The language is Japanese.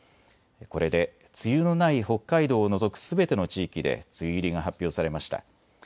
これで梅雨のない北海道を除くすべての地域で梅雨入りが発表されました。